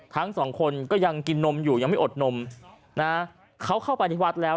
ทั้งสองคนก็ยังกินนมอยู่ยังไม่อดนมนะเขาเข้าไปในวัดแล้ว